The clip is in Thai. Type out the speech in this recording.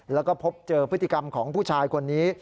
แล้วก็พบเจอพฤติกรรมของผู้ชายคนนี้